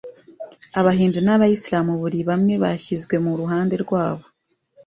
abahindu n’abayislam buri bamwe bashyizwe mu ruhande rwabo